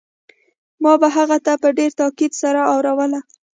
ما به هغه ته په ډېر تاکيد سره اوروله.